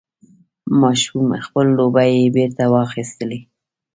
ماشوم خپل لوبعې بېرته واخیستلې.